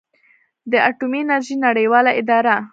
د اټومي انرژۍ نړیواله اداره